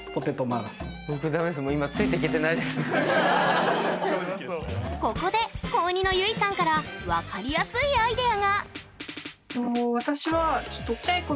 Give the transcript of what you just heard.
もう今ここで高２のゆいさんから分かりやすいアイデアが！